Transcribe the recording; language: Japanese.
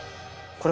これ。